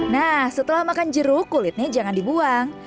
nah setelah makan jeruk kulitnya jangan dibuang